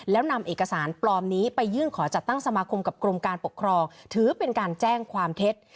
แล้วนำเอกสารปลอมนี้ไปยื่นขอจัดตั้งสมาคมกับกรมการปกครองถือเป็นการแจ้งความเท็จ